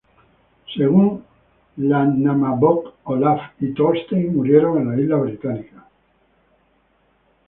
Según "Landnámabók", Olaf y Thorstein murieron en las islas británicas.